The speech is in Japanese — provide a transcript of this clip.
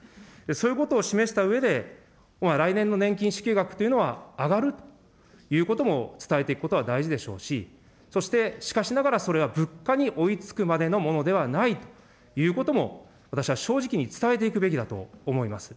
そういうことを示したうえで、来年の年金支給額というのは上がるということも伝えていくことは大事でしょうし、そして、しかしながらそれは物価に追いつくまでのものではないということも、私は正直に伝えていくべきだと思います。